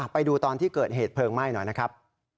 ไปดูตอนที่เกิดเหตุเพลิงไหม้หน่อยนะครับ